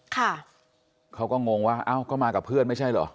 เขาก็งงว่าเอ้าก็มากับเพื่อนไม่ใช่เหรอ